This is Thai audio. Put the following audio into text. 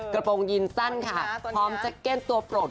กระโปรงยีนสั้นค่ะพร้อมแจ็คเก็ตตัวโปรด